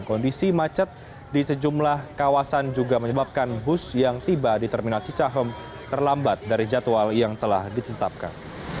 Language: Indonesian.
kondisi macet di sejumlah kawasan juga menyebabkan bus yang tiba di terminal cicahem terlambat dari jadwal yang telah ditetapkan